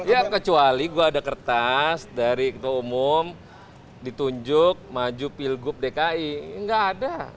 ya kecuali gue ada kertas dari ketua umum ditunjuk maju pilgub dki nggak ada